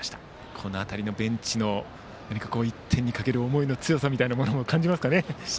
この辺りのベンチの１点にかける思いの強さを感じますよね。